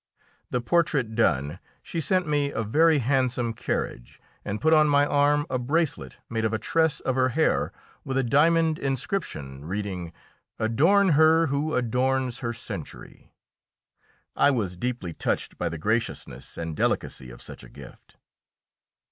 The portrait done, she sent me a very handsome carriage, and put on my arm a bracelet made of a tress of her hair with a diamond inscription reading, "Adorn her who adorns her century." I was deeply touched by the graciousness and delicacy of such a gift.